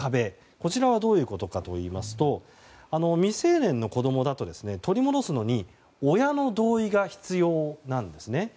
こちらはどういうことかというと未成年の子供だと取り戻すのに親の同意が必要なんですね。